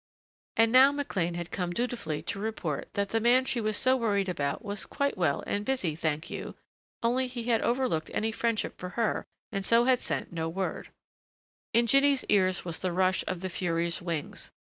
And now McLean had come dutifully to report that the man she was so worried about was quite well and busy, thank you, only he had overlooked any friendship for her, and so had sent no word In Jinny's ears was the rush of the furies' wings.